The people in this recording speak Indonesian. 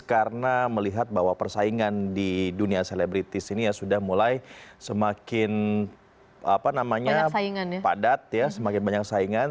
karena melihat bahwa persaingan di dunia selebritis ini ya sudah mulai semakin padat semakin banyak saingan